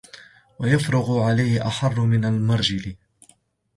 وَيُفْرِغُ عَلَيْهِ أَحَرَّ مِنْ الْمِرْجَلِ